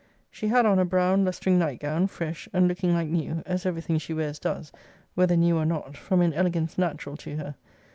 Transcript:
'She had on a brown lustring night gown, fresh, and looking like new, as every thing she wears does, whether new or not, from an elegance natural to her.